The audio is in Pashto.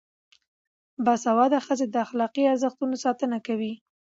باسواده ښځې د اخلاقي ارزښتونو ساتنه کوي.